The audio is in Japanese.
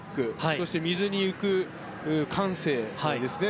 そして、水に浮く感性ですね。